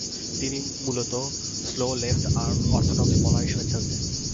তিনি মূলতঃ slow left arm orthodox bowler হিসেবে খেলতেন।